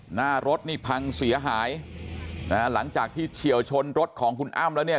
หน้ารถนี่พังเสียหายนะฮะหลังจากที่เฉียวชนรถของคุณอ้ำแล้วเนี่ย